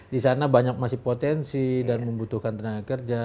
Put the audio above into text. di sana masih banyak potensi dan membutuhkan tenaga kerja